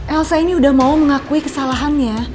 elsa ini sudah mau mengakui kesalahannya